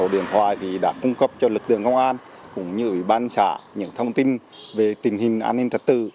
điện thoại thì đã cung cấp cho lực lượng công an cũng như ủy ban xã những thông tin về tình hình an ninh thật tự